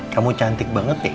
kamu cantik banget deh